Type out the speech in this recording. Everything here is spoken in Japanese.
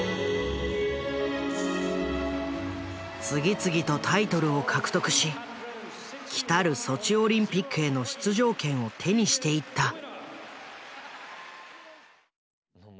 次々とタイトルを獲得しきたるソチオリンピックへの出場権を手にしていった。